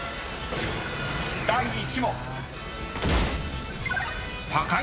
［第１問］